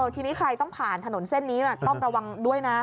ทีนี้ใครต้องผ่านถนนเส้นนี้ต้องระวังด้วยนะ